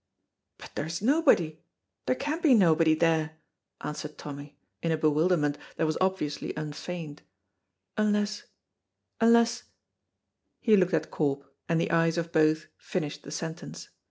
"But there's nobody; there can be nobody there," answered Tommy, in a bewilderment that was obviously unfeigned, "unless unless " He looked at Corp, and the eyes of both finished the sentence.